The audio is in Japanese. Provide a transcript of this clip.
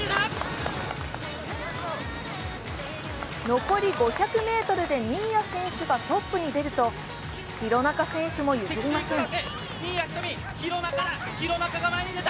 残り５００ｍで新谷選手がトップに出ると、廣中選手も譲りません。